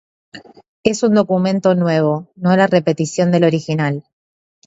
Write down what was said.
Es un documento nuevo, no la repetición del original.